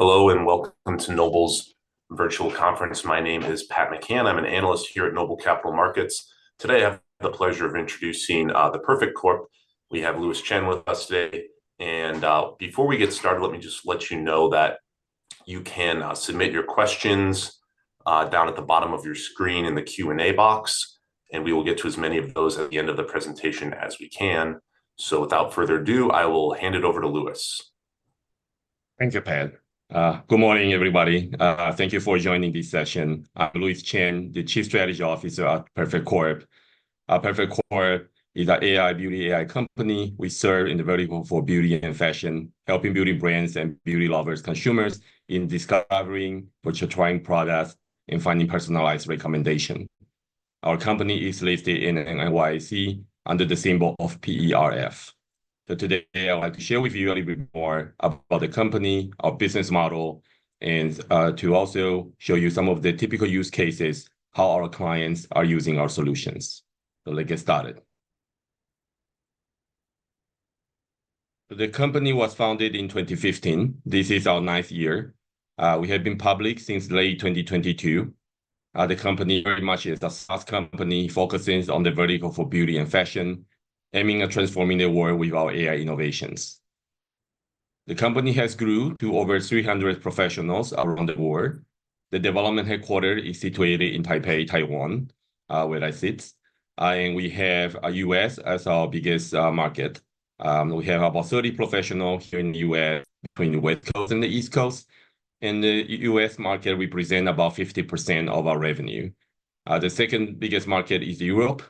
Hello and welcome to Noble's virtual conference. My name is Pat McCann. I'm an analyst here at Noble Capital Markets. Today, I have the pleasure of introducing the Perfect Corp. We have Louis Chen with us today. Before we get started, let me just let you know that you can submit your questions down at the bottom of your screen in the Q&A box, and we will get to as many of those at the end of the presentation as we can. Without further ado, I will hand it over to Louis. Thank you, Pat. Good morning, everybody. Thank you for joining this session. I'm Louis Chen, the Chief Strategy Officer at Perfect Corp. Perfect Corp is an AI beauty AI company. We serve in the vertical for beauty and fashion, helping beauty brands and beauty lovers, consumers in discovering, purchasing products, and finding personalized recommendations. Our company is listed in NYSE under the symbol of PERF. So today, I'd like to share with you a little bit more about the company, our business model, and to also show you some of the typical use cases, how our clients are using our solutions. So let's get started. The company was founded in 2015. This is our ninth year. We have been public since late 2022. The company very much is a SaaS company focusing on the vertical for beauty and fashion, aiming at transforming the world with our AI innovations. The company has grown to over 300 professionals around the world. The development headquarters is situated in Taipei, Taiwan, where I sit. We have the U.S. as our biggest market. We have about 30 professionals here in the U.S., between the West Coast and the East Coast. The U.S. market represents about 50% of our revenue. The second biggest market is Europe.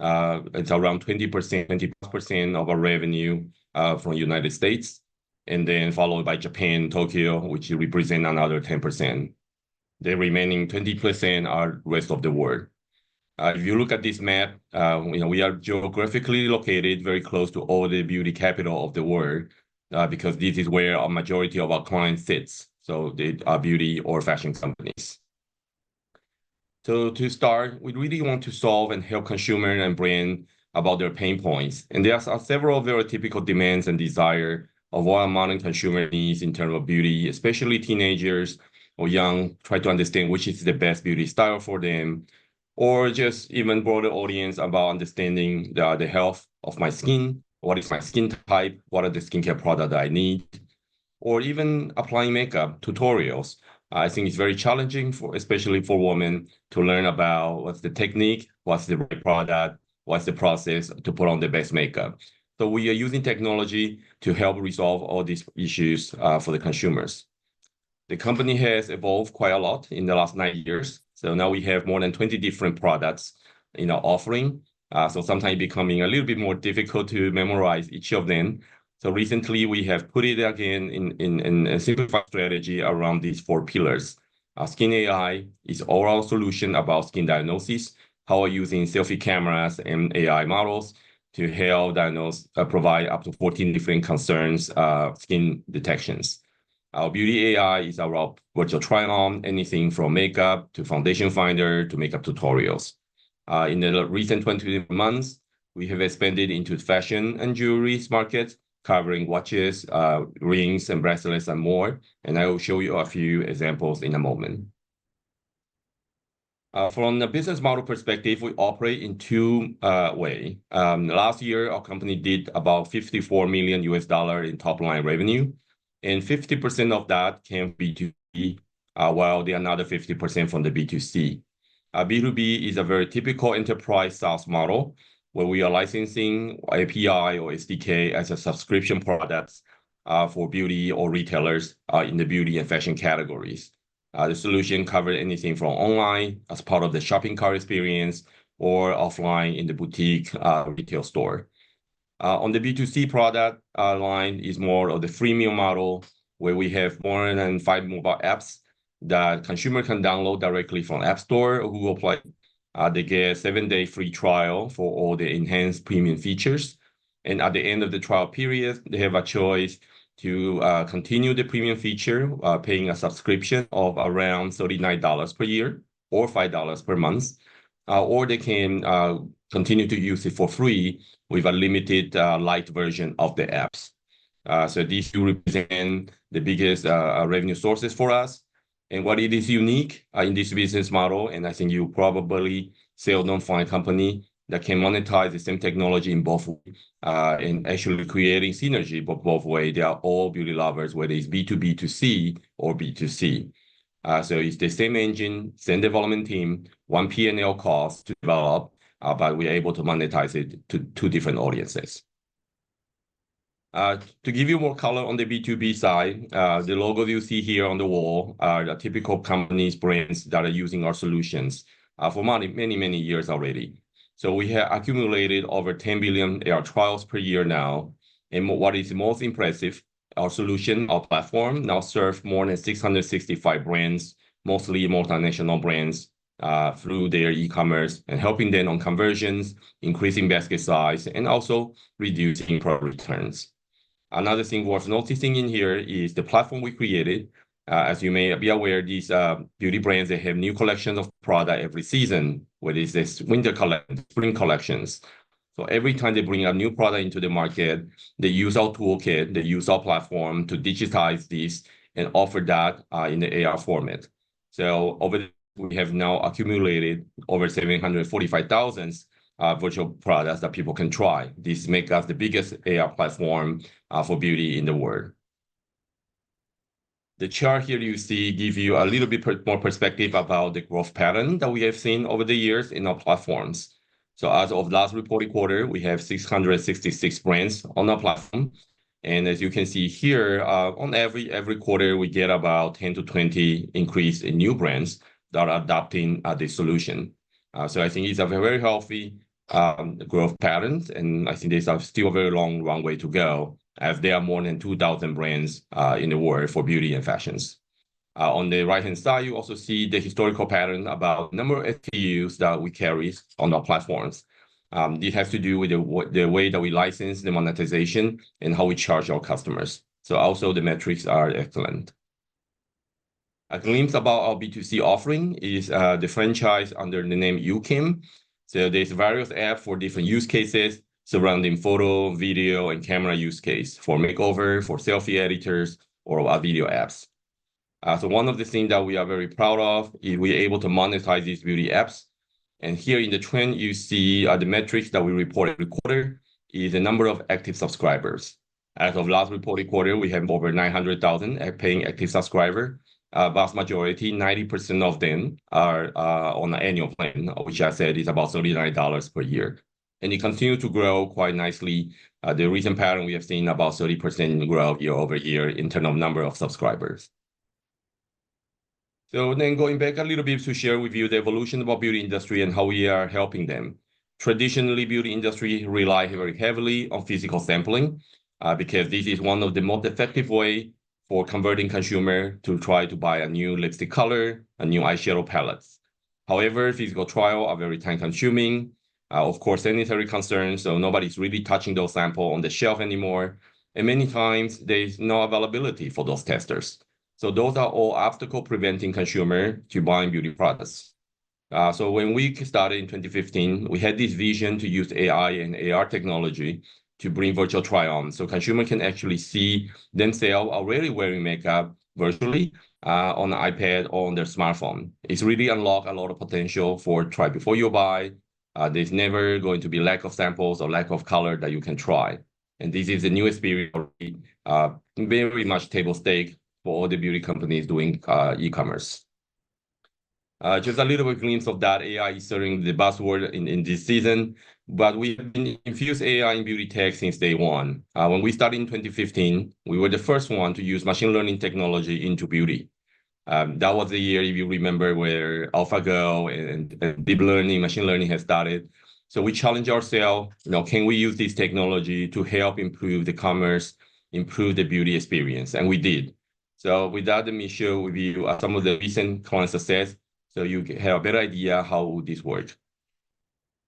It's around 20% of our revenue from the United States, and then followed by Japan and Tokyo, which represent another 10%. The remaining 20% are the rest of the world. If you look at this map, we are geographically located very close to all the beauty capitals of the world because this is where a majority of our clients sit, so our beauty or fashion companies. So to start, we really want to solve and help consumers and brands about their pain points. There are several very typical demands and desires of our modern consumer needs in terms of beauty, especially teenagers or young people trying to understand which is the best beauty style for them, or just even broader audience about understanding the health of my skin, what is my skin type, what are the skincare products that I need, or even applying makeup tutorials. I think it's very challenging, especially for women, to learn about what's the technique, what's the right product, what's the process to put on the best makeup. We are using technology to help resolve all these issues for the consumers. The company has evolved quite a lot in the last 9 years. Now we have more than 20 different products in our offering. Sometimes it becomes a little bit more difficult to memorize each of them. So recently, we have put it again in a simplified strategy around these four pillars. Skin AI is an overall solution about skin diagnosis, how we're using selfie cameras and AI models to help diagnose, provide up to 14 different concerns, skin detections. Our Beauty AI is our virtual try-on, anything from makeup to foundation finder to makeup tutorials. In the recent 20 months, we have expanded into the fashion and jewelry market, covering watches, rings, and bracelets, and more. And I will show you a few examples in a moment. From the business model perspective, we operate in two ways. Last year, our company did about $54 million in top-line revenue, and 50% of that came from B2B, while the other 50% from the B2C. B2B is a very typical enterprise SaaS model where we are licensing API or SDK as a subscription product for beauty or retailers in the beauty and fashion categories. The solution covers anything from online as part of the shopping cart experience or offline in the boutique retail store. On the B2C product line, it's more of the freemium model where we have more than five mobile apps that consumers can download directly from the App Store or Google Play. They get a seven-day free trial for all the enhanced premium features. And at the end of the trial period, they have a choice to continue the premium feature by paying a subscription of around $39 per year or $5 per month, or they can continue to use it for free with a limited light version of the apps. So these two represent the biggest revenue sources for us. What is unique in this business model, and I think you probably see a number of companies that can monetize the same technology in both ways and actually create synergy both ways. They are all beauty lovers, whether it's B2B2C or B2C. So it's the same engine, same development team, one P&L cost to develop, but we are able to monetize it to two different audiences. To give you more color on the B2B side, the logo you see here on the wall are the typical companies, brands that are using our solutions for many, many, many years already. So we have accumulated over 10 billion trials per year now. What is most impressive, our solution, our platform now serves more than 665 brands, mostly multinational brands, through their e-commerce and helping them on conversions, increasing basket size, and also reducing returns. Another thing worth noticing in here is the platform we created. As you may be aware, these beauty brands, they have new collections of products every season, whether it's this winter collection, spring collections. So every time they bring a new product into the market, they use our toolkit, they use our platform to digitize this and offer that in the AR format. So over there, we have now accumulated over 745,000 virtual products that people can try. This makes us the biggest AR platform for beauty in the world. The chart here you see gives you a little bit more perspective about the growth pattern that we have seen over the years in our platforms. So as of last reporting quarter, we have 666 brands on our platform. As you can see here, on every quarter, we get about 10-20 increase in new brands that are adopting the solution. So I think it's a very healthy growth pattern, and I think there's still a very long, long way to go as there are more than 2,000 brands in the world for beauty and fashions. On the right-hand side, you also see the historical pattern about the number of SKUs that we carry on our platforms. This has to do with the way that we license the monetization and how we charge our customers. So also, the metrics are excellent. A glimpse about our B2C offering is the franchise under the name YouCam. So there's various apps for different use cases surrounding photo, video, and camera use case for makeover, for selfie editors, or video apps. So one of the things that we are very proud of is we are able to monetize these beauty apps. Here in the trend, you see the metrics that we report every quarter is the number of active subscribers. As of last reporting quarter, we have over 900,000 paying active subscribers. The vast majority, 90% of them are on an annual plan, which I said is about $39 per year. It continues to grow quite nicely. The recent pattern we have seen about 30% growth year-over-year in terms of number of subscribers. Then going back a little bit to share with you the evolution of our beauty industry and how we are helping them. Traditionally, the beauty industry relies very heavily on physical sampling because this is one of the most effective ways for converting consumers to try to buy a new lipstick color, a new eyeshadow palette. However, physical trials are very time-consuming. Of course, sanitary concerns, so nobody's really touching those samples on the shelf anymore. And many times, there's no availability for those testers. So those are all obstacles preventing consumers from buying beauty products. So when we started in 2015, we had this vision to use AI and AR technology to bring virtual try-ons so consumers can actually see themselves already wearing makeup virtually on the iPad or on their smartphone. It's really unlocked a lot of potential for try-before-you-buy. There's never going to be a lack of samples or lack of colors that you can try. This is a new experience, very much table stakes for all the beauty companies doing e-commerce. Just a little bit of a glimpse of that. AI is certainly the buzzword in this season. But we've been infused with AI and beauty tech since day one. When we started in 2015, we were the first ones to use machine learning technology into beauty. That was the year, if you remember, where AlphaGo and deep learning, machine learning had started. So we challenged ourselves, can we use this technology to help improve the commerce, improve the beauty experience? And we did. So with that, the mission will be some of the recent client success. So you have a better idea of how this works.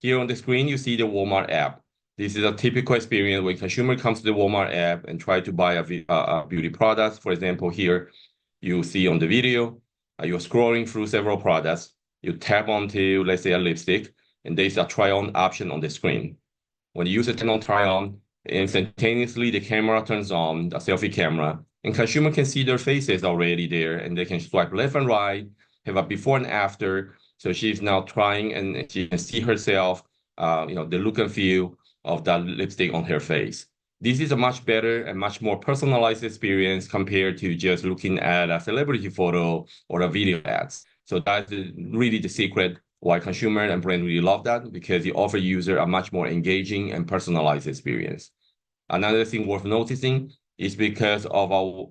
Here on the screen, you see the Walmart app. This is a typical experience where a consumer comes to the Walmart app and tries to buy a beauty product. For example, here, you'll see on the video, you're scrolling through several products. You tap onto, let's say, a lipstick, and there's a try-on option on the screen. When you use a try-on, instantaneously, the camera turns on, the selfie camera, and consumers can see their faces already there, and they can swipe left and right, have a before and after. So she's now trying, and she can see herself, the look and feel of that lipstick on her face. This is a much better and much more personalized experience compared to just looking at a celebrity photo or a video ad. So that's really the secret why consumers and brands really love that because it offers users a much more engaging and personalized experience. Another thing worth noticing is because of our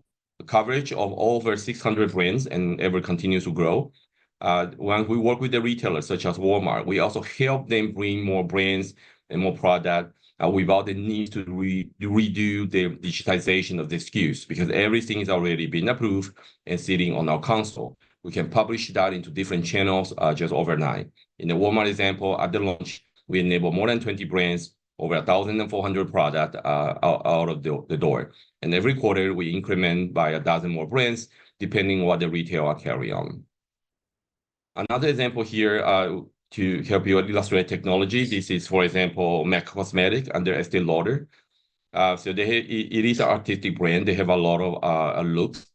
coverage of over 600 brands, and it will continue to grow. When we work with the retailers such as Walmart, we also help them bring more brands and more products without the need to redo their digitization of the SKUs because everything is already being approved and sitting on our console. We can publish that into different channels just overnight. In the Walmart example, at the launch, we enabled more than 20 brands, over 1,400 products out of the door. And every quarter, we increment by a dozen more brands depending on what the retailers carry on. Another example here to help you illustrate technology, this is, for example, MAC Cosmetics under Estée Lauder. So it is an artistic brand. They have a lot of looks.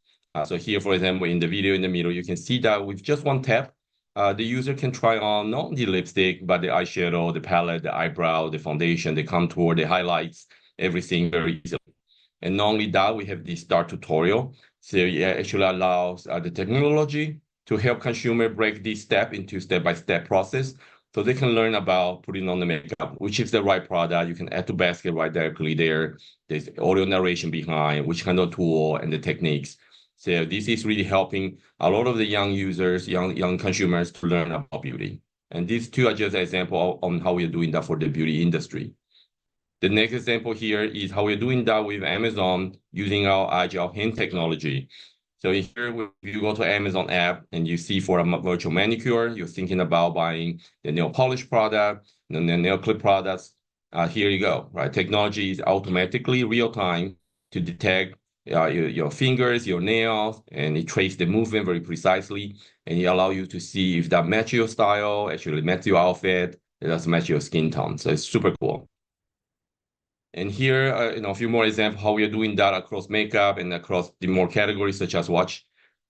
So here, for example, in the video in the middle, you can see that with just one tap, the user can try on not only the lipstick, but the eyeshadow, the palette, the eyebrow, the foundation, the contour, the highlights, everything very easily. And not only that, we have this start tutorial. So it actually allows the technology to help consumers break this step into a step-by-step process so they can learn about putting on the makeup, which is the right product you can add to the basket right directly there. There's audio narration behind, which kind of tool and the techniques. So this is really helping a lot of the young users, young consumers to learn about beauty. And these two are just examples on how we are doing that for the beauty industry. The next example here is how we are doing that with Amazon using our AgileHand technology. So here, if you go to the Amazon app and you see for a virtual manicure, you're thinking about buying the nail polish product and the nail clip products. Here you go. Technology is automatically real-time to detect your fingers, your nails, and it tracks the movement very precisely. And it allows you to see if that matches your style, actually matches your outfit, it doesn't match your skin tone. So it's super cool. And here, a few more examples of how we are doing that across makeup and across more categories such as watch.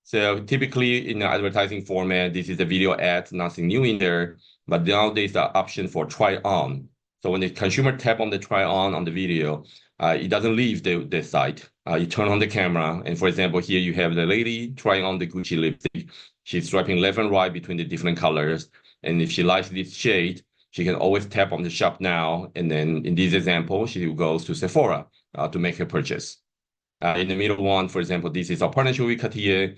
So typically, in the advertising format, this is a video ad, nothing new in there. But now there's the option for try-on. So when the consumer taps on the try-on on the video, it doesn't leave their site. You turn on the camera. For example, here, you have the lady trying on the Gucci lipstick. She's swiping left and right between the different colors. If she likes this shade, she can always tap on the Shop Now. Then in this example, she goes to Sephora to make her purchase. In the middle one, for example, this is our partnership with Cartier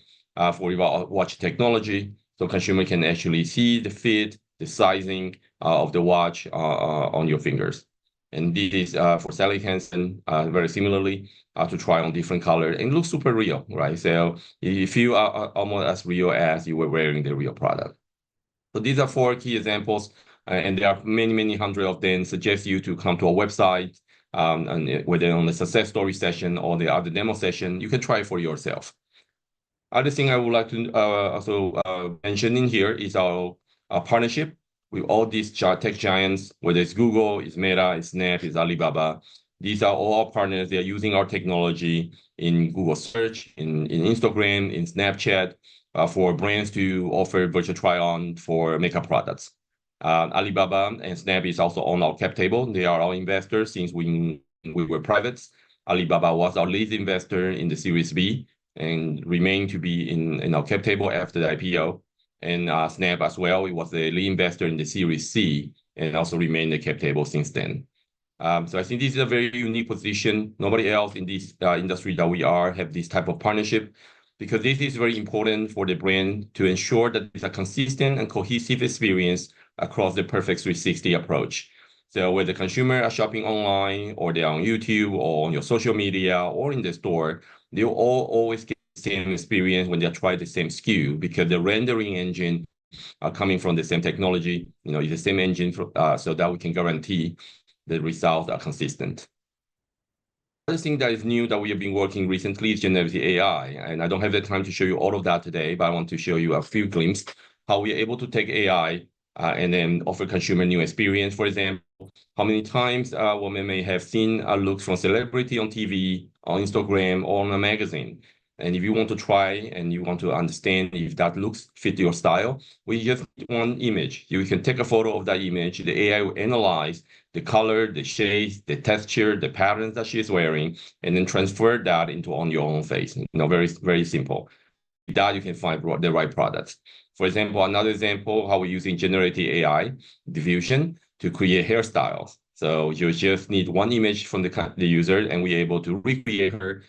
for watch technology. Consumers can actually see the fit, the sizing of the watch on your fingers. This is for Sally Hansen, very similarly, to try on different colors. It looks super real, right? It feels almost as real as you were wearing the real product. These are four key examples. There are many, many hundreds of them suggesting you to come to our website where they're on the success story session or the other demo session. You can try it for yourself. Another thing I would like to also mention in here is our partnership with all these tech giants, whether it's Google, it's Meta, it's Snap, it's Alibaba. These are all our partners. They're using our technology in Google Search, in Instagram, in Snapchat for brands to offer virtual try-ons for makeup products. Alibaba and Snap are also on our cap table. They are our investors since we were private. Alibaba was our lead investor in the Series B and remained to be in our cap table after the IPO. And Snap as well, it was a lead investor in the Series C and also remained in the cap table since then. So I think this is a very unique position. Nobody else in this industry that we are has this type of partnership because this is very important for the brand to ensure that it's a consistent and cohesive experience across the Perfect 360 approach. So whether consumers are shopping online or they're on YouTube or on your social media or in the store, they'll always get the same experience when they try the same SKU because the rendering engines are coming from the same technology. It's the same engine so that we can guarantee the results are consistent. Another thing that is new that we have been working on recently is generative AI. I don't have the time to show you all of that today, but I want to show you a few glimpses of how we are able to take AI and then offer consumers a new experience. For example, how many times women may have seen a look from a celebrity on TV, on Instagram, or on a magazine. If you want to try and you want to understand if that look fits your style, we just need one image. You can take a photo of that image. The AI will analyze the color, the shade, the texture, the patterns that she's wearing, and then transfer that into your own face. Very, very simple. With that, you can find the right product. For example, another example of how we're using generative AI, diffusion, to create hairstyles. So you just need one image from the user, and we're able to recreate her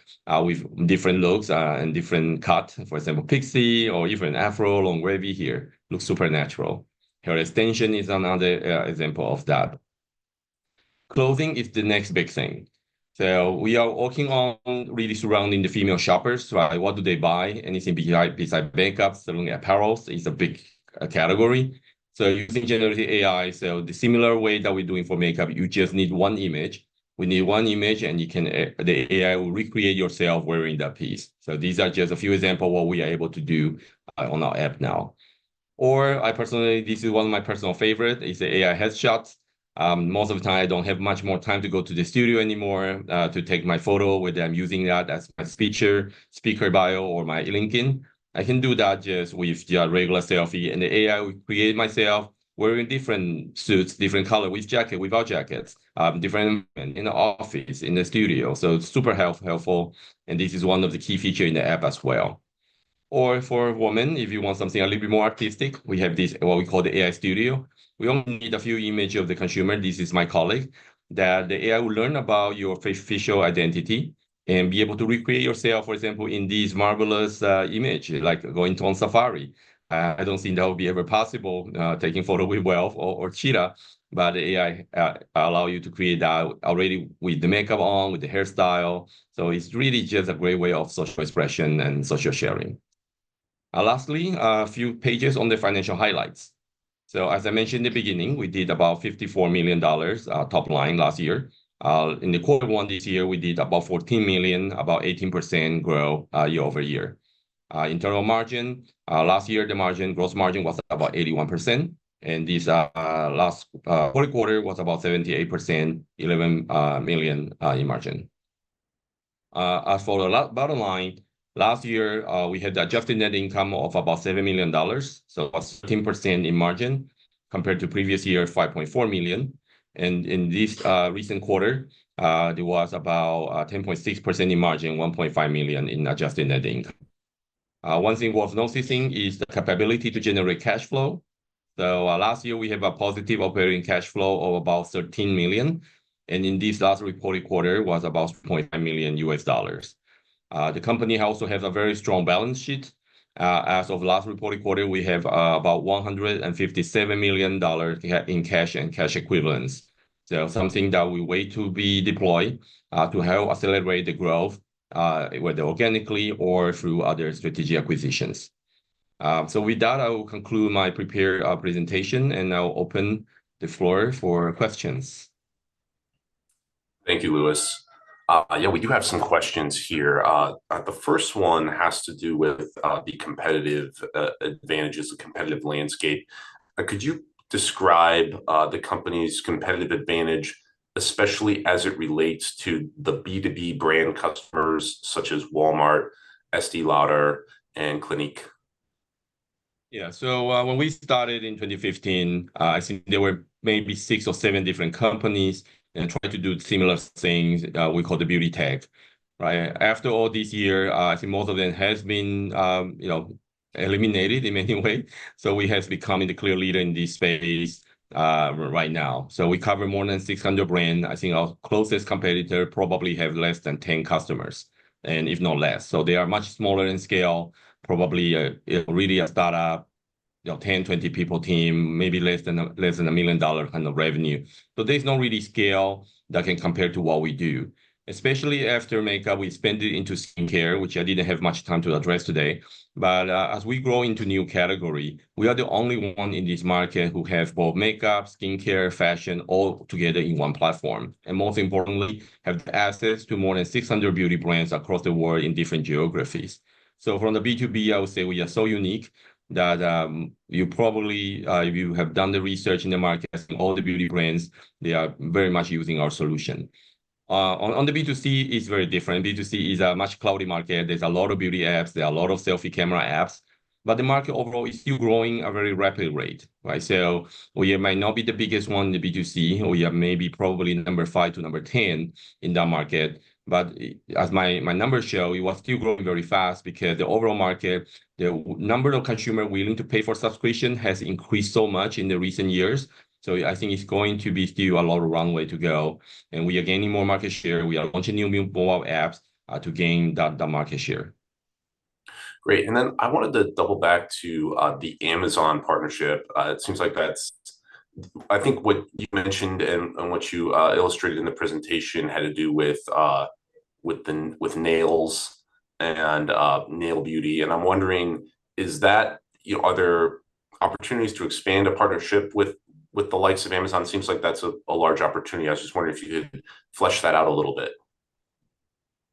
with different looks and different cuts. For example, pixie or even Afro long wavy hair looks super natural. Hair extension is another example of that. Clothing is the next big thing. So we are working on really surrounding the female shoppers. What do they buy? Anything besides makeup, certainly apparel, is a big category. So using generative AI, so the similar way that we're doing for makeup, you just need one image. We need one image, and the AI will recreate yourself wearing that piece. So these are just a few examples of what we are able to do on our app now. Or I personally, this is one of my personal favorites, is the AI headshots. Most of the time, I don't have much more time to go to the studio anymore to take my photo, whether I'm using that as my speaker bio, or my LinkedIn. I can do that just with a regular selfie. And the AI will create myself wearing different suits, different colors, with jackets, without jackets, different scenes in the office, in the studio. So it's super helpful. And this is one of the key features in the app as well. Or for women, if you want something a little bit more artistic, we have this, what we call the AI Studio. We only need a few images of the consumer. This is my colleague. The AI will learn about your facial identity and be able to recreate yourself, for example, in this marvelous image, like going on safari. I don't think that would be ever possible taking a photo with wildebeest or cheetah, but the AI allows you to create that already with the makeup on, with the hairstyle. So it's really just a great way of social expression and social sharing. Lastly, a few pages on the financial highlights. So as I mentioned in the beginning, we did about $54 million top line last year. In the quarter one this year, we did about $14 million, about 18% year-over-year growth. Gross margin, last year, was about 81%. And this last quarter was about 78%, $11 million in margin. As for the bottom line, last year, we had an adjusted net income of about $7 million. So it was 10% in margin compared to previous year, $5.4 million. And in this recent quarter, it was about 10.6% in margin, $1.5 million in adjusted net income. One thing worth noticing is the capability to generate cash flow. So last year, we had a positive operating cash flow of about $13 million. And in this last reported quarter, it was about $2.5 million. The company also has a very strong balance sheet. As of last reported quarter, we have about $157 million in cash and cash equivalents. So something that we wait to be deployed to help accelerate the growth, whether organically or through other strategic acquisitions. So with that, I will conclude my prepared presentation, and I'll open the floor for questions. Thank you, Louis. Yeah, we do have some questions here. The first one has to do with the competitive advantages, the competitive landscape. Could you describe the company's competitive advantage, especially as it relates to the B2B brand customers such as Walmart, Estée Lauder, and Clinique? Yeah. So when we started in 2015, I think there were maybe six or seven different companies that tried to do similar things we call the beauty tech. After all these years, I think most of them have been eliminated in many ways. So we have become the clear leader in this space right now. So we cover more than 600 brands. I think our closest competitor probably has less than 10 customers, and if not less. So they are much smaller in scale, probably really a startup, 10, 20 people team, maybe less than $1 million kind of revenue. So there's no really scale that can compare to what we do. Especially after makeup, we expanded into skincare, which I didn't have much time to address today. But as we grow into a new category, we are the only one in this market who has both makeup, skincare, fashion all together in one platform. And most importantly, have access to more than 600 beauty brands across the world in different geographies. So from the B2B, I would say we are so unique that you probably, if you have done the research in the market, all the beauty brands, they are very much using our solution. On the B2C, it's very different. B2C is a much crowded market. There's a lot of beauty apps. There are a lot of selfie camera apps. But the market overall is still growing at a very rapid rate. So we might not be the biggest one in the B2C. We are maybe probably number 5 to number 10 in that market. But as my numbers show, it was still growing very fast because the overall market, the number of consumers willing to pay for subscriptions has increased so much in the recent years. So I think it's going to be still a long way to go. And we are gaining more market share. We are launching new mobile apps to gain that market share. Great. And then I wanted to double back to the Amazon partnership. It seems like that's, I think, what you mentioned and what you illustrated in the presentation had to do with nails and nail beauty. I'm wondering, are there opportunities to expand a partnership with the likes of Amazon? It seems like that's a large opportunity. I was just wondering if you could flesh that out a little bit.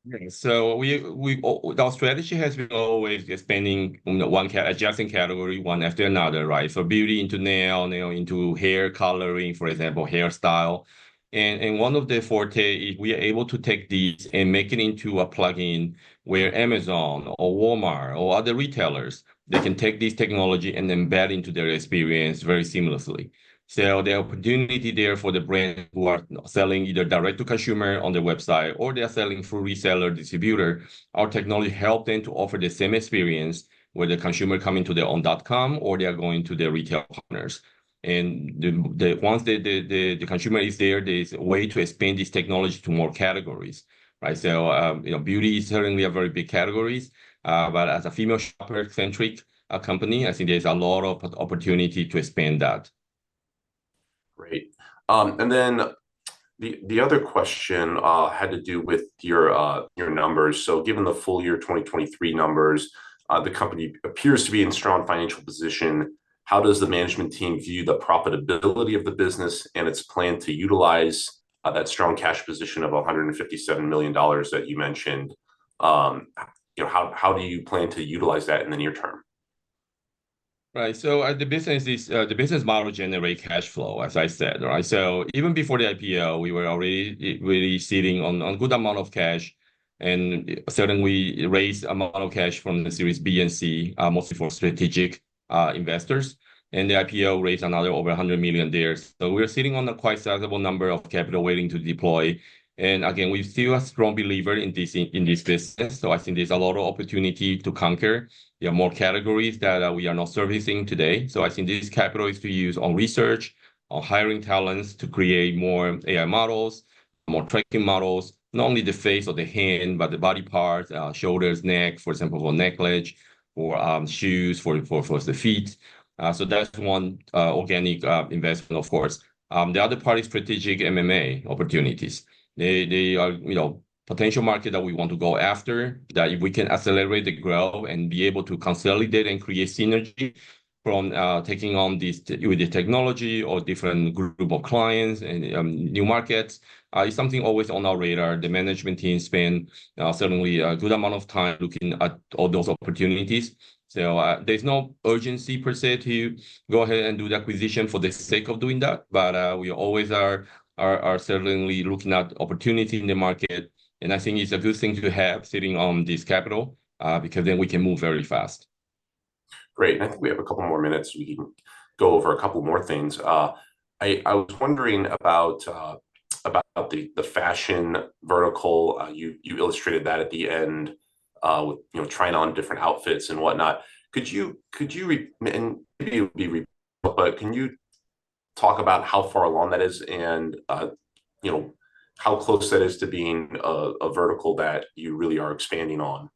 Our strategy has been always expanding one adjacent category, one after another, right? So beauty into nail, nail into hair coloring, for example, hairstyle. One of the forte is we are able to take these and make it into a plug-in where Amazon or Walmart or other retailers, they can take this technology and embed it into their experience very seamlessly. So the opportunity there for the brands who are selling either direct to consumer on the website or they are selling through reseller distributor, our technology helps them to offer the same experience where the consumer is coming to their own dot-com or they are going to their retail partners. And once the consumer is there, there's a way to expand this technology to more categories. So beauty is certainly a very big category. But as a female shopper-centric company, I think there's a lot of opportunity to expand that. Great. And then the other question had to do with your numbers. So given the full year 2023 numbers, the company appears to be in a strong financial position. How does the management team view the profitability of the business and its plan to utilize that strong cash position of $157 million that you mentioned? How do you plan to utilize that in the near term? Right. So the business model generates cash flow, as I said. So even before the IPO, we were already really sitting on a good amount of cash and certainly raised a lot of cash from the Series B and C, mostly for strategic investors. And the IPO raised another over $100 million there. So we're sitting on a quite sizable number of capital waiting to deploy. And again, we're still a strong believer in this business. So I think there's a lot of opportunity to conquer. There are more categories that we are not servicing today. So I think this capital is to use on research, on hiring talents to create more AI models, more tracking models, not only the face or the hand, but the body parts, shoulders, neck, for example, for necklace, for shoes, for the feet. So that's one organic investment, of course. The other part is strategic M&A opportunities. They are a potential market that we want to go after, that we can accelerate the growth and be able to consolidate and create synergy from taking on this with the technology or different group of clients and new markets. It's something always on our radar. The management team spends certainly a good amount of time looking at all those opportunities. So there's no urgency per se to go ahead and do the acquisition for the sake of doing that. But we always are certainly looking at opportunities in the market. And I think it's a good thing to have sitting on this capital because then we can move very fast. Great. I think we have a couple more minutes. We can go over a couple more things. I was wondering about the fashion vertical. You illustrated that at the end with trying on different outfits and whatnot. Could you maybe be repeated, but can you talk about how far along that is and how close that is to being a vertical that you really are expanding on?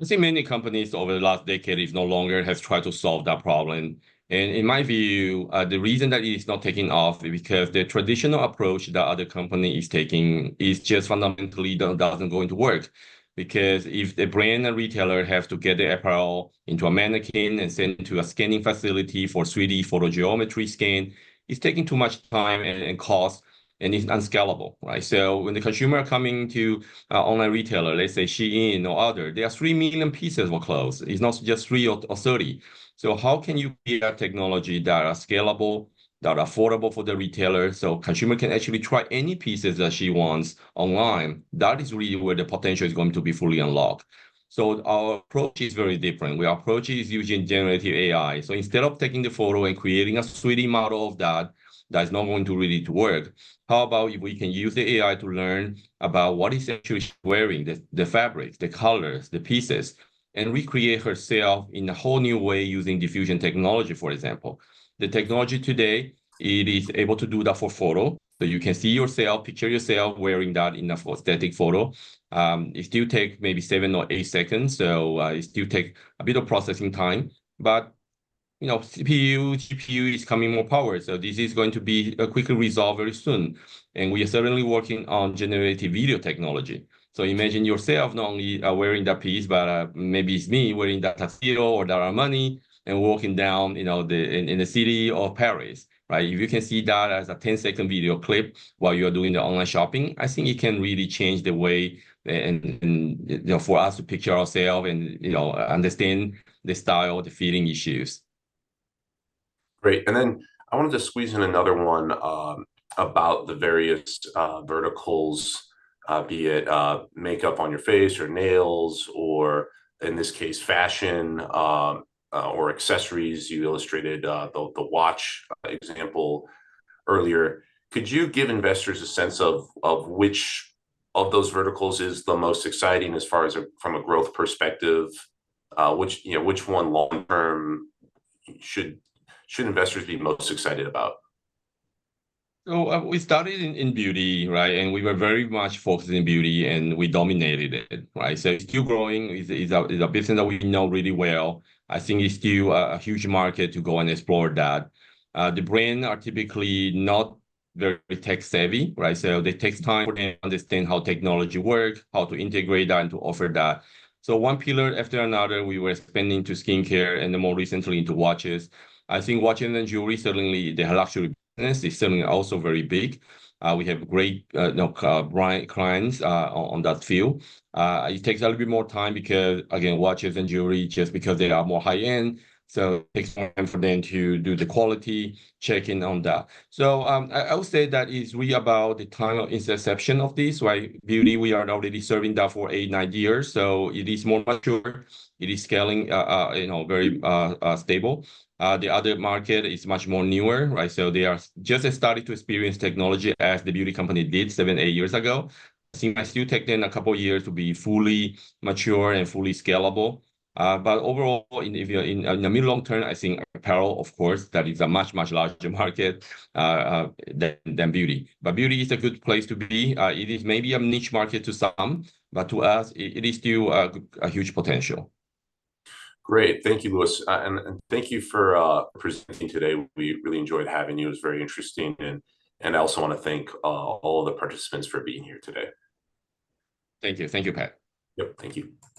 I think many companies over the last decade no longer have tried to solve that problem. And in my view, the reason that it is not taking off is because the traditional approach that other companies are taking is just fundamentally doesn't go into work. Because if a brand and retailer has to get the apparel into a mannequin and send it to a scanning facility for 3D photogrammetry scan, it's taking too much time and cost, and it's unscalable. So when the consumer is coming to an online retailer, let's say SHEIN or other, there are 3 million pieces of clothes. It's not just 3 or 30. So how can you create a technology that is scalable, that is affordable for the retailer so consumers can actually try any pieces that she wants online? That is really where the potential is going to be fully unlocked. So our approach is very different. We approach it using generative AI. So instead of taking the photo and creating a 3D model of that that is not going to really work, how about if we can use the AI to learn about what is actually wearing, the fabrics, the colors, the pieces, and recreate herself in a whole new way using diffusion technology, for example? The technology today, it is able to do that for photo. So you can see yourself, picture yourself wearing that in a static photo. It still takes maybe 7 or 8 seconds. So it still takes a bit of processing time. But CPU, GPU is coming more powered. So this is going to be quickly resolved very soon. And we are certainly working on generative video technology. So imagine yourself not only wearing that piece, but maybe it's me wearing that Gucci or that Armani and walking down in the city of Paris. If you can see that as a 10-second video clip while you're doing the online shopping, I think it can really change the way for us to picture ourselves and understand the style, the fitting issues. Great. And then I wanted to squeeze in another one about the various verticals, be it makeup on your face or nails, or in this case, fashion or accessories. You illustrated the watch example earlier. Could you give investors a sense of which of those verticals is the most exciting as far as from a growth perspective? Which one long-term should investors be most excited about? So we started in beauty, and we were very much focused in beauty, and we dominated it. So it's still growing. It's a business that we know really well. I think it's still a huge market to go and explore that. The brands are typically not very tech-savvy. So it takes time for them to understand how technology works, how to integrate that, and to offer that. So one pillar after another, we were expanding to skincare and more recently into watches. I think watches and jewelry, certainly the luxury business, is certainly also very big. We have great clients on that field. It takes a little bit more time because, again, watches and jewelry, just because they are more high-end. So it takes time for them to do the quality checking on that. So I would say that it's really about the time of interception of this. Beauty, we are already serving that for 8-9 years. So it is more mature. It is scaling very stable. The other market is much more newer. So they are just starting to experience technology, as the beauty company did 7-8 years ago. I think it still takes them a couple of years to be fully mature and fully scalable. But overall, in the mid-long term, I think apparel, of course, that is a much, much larger market than beauty. But beauty is a good place to be. It is maybe a niche market to some, but to us, it is still a huge potential. Great. Thank you, Louis. Thank you for presenting today. We really enjoyed having you. It was very interesting. I also want to thank all of the participants for being here today. Thank you. Thank you, Pat. Yep. Thank you.